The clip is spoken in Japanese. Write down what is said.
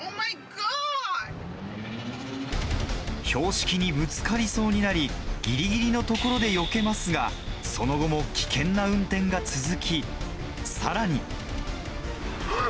標識にぶつかりそうになり、ぎりぎりのところでよけますが、その後も危険な運転が続き、さらに。